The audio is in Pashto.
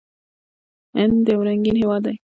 هند یو رنګین هیواد دی.